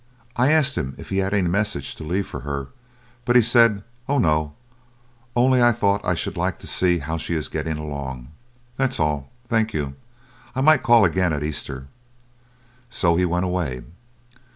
I asked him if he had any message to leave for her, but he said, 'Oh, no; only I thought I should like to see how she is getting along. That's all, thank you. I might call again at Easter.' So he went away.